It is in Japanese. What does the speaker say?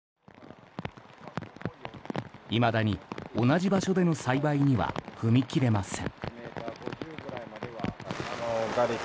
いまだに同じ場所での栽培には踏み切れません。